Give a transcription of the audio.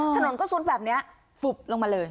ถนนก็ซุดแบบนี้ฟุบลงมาเลย